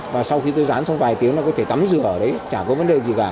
và sau khi tôi rán trong vài tiếng là có thể tắm rửa ở đấy chả có vấn đề gì cả